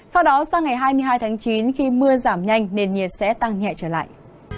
sau đó sang ngày hai mươi hai tháng chín khi mưa giảm nhanh nền nhiệt sẽ tăng nhẹ trở lại